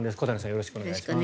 よろしくお願いします。